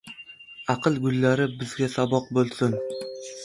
Aql gullari bizga saboq bo‘lsin.